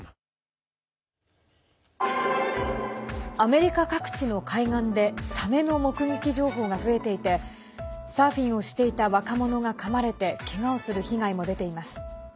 アメリカ各地の海岸でサメの目撃情報が増えていてサーフィンをしていた若者がかまれて、けがをする被害も出ています。